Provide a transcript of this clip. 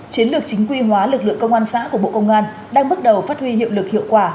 chiến lược chính quy hóa lực lượng công an xã của bộ công an đang bước đầu phát huy hiệu lực hiệu quả